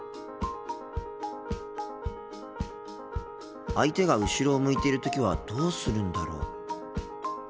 心の声相手が後ろを向いている時はどうするんだろう？